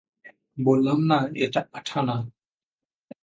বললাম না, এটা আঠা না!